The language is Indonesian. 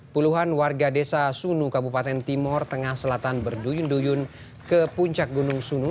puluhan warga desa sunu kabupaten timur tengah selatan berduyun duyun ke puncak gunung sunu